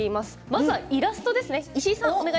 まずはイラストです。